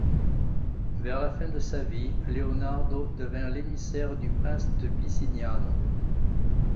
Vers la fin de sa vie, Leonardo devint l'émissaire du prince de Bisignano.